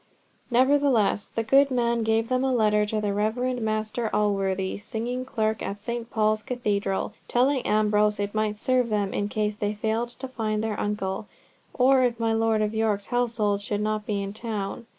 Nevertheless the good man gave them a letter to the Reverend Master Alworthy, singing clerk at St. Paul's Cathedral, telling Ambrose it might serve them in case they failed to find their uncle, or if my Lord of York's household should not be in town.